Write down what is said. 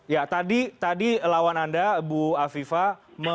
ya tadi lawan anda bu afifah